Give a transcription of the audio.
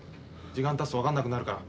時間たつと分かんなくなるから。